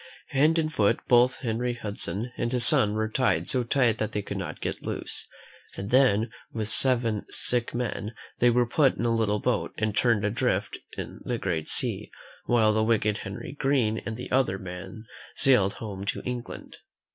Hand and foot both Henry Hudson and his son were tied so tight that they could not get loose, and then, with seven sick men, they were put in a little boat and turned adrift in the great sea, while the wicked Henry Green and the other men sailed home to England.